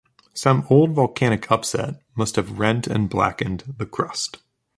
Some old volcanic upset must have rent and blackened the crust.